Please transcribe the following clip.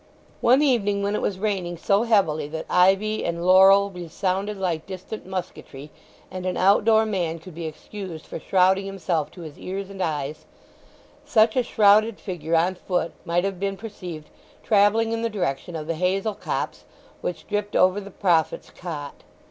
One evening when it was raining so heavily that ivy and laurel resounded like distant musketry, and an out door man could be excused for shrouding himself to his ears and eyes, such a shrouded figure on foot might have been perceived travelling in the direction of the hazel copse which dripped over the prophet's cot.